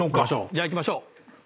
じゃあいきましょう。